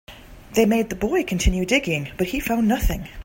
They made the boy continue digging, but he found nothing.